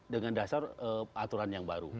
dengan dasar aturan yang baru